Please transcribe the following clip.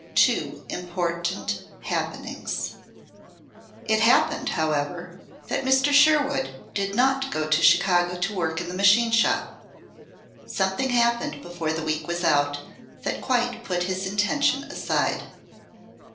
TWO IMPORTANT HAPPENINGS It happened, however, that Mr. Sherwood did not go to Chicago to work in the machine shop. Something happened before the week was out, that quite put his intention aside.